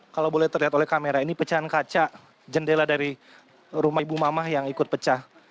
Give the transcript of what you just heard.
kalau boleh terlihat oleh kamera ini pecahan kaca jendela dari rumah ibu mamah yang ikut pecah